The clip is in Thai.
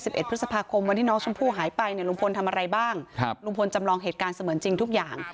เอ็ดพฤษภาคมวันที่น้องชมพู่หายไปเนี่ยลุงพลทำอะไรบ้างครับลุงพลจำลองเหตุการณ์เสมือนจริงทุกอย่าง